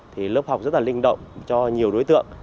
thì lớp học rất là linh động cho nhiều đối tượng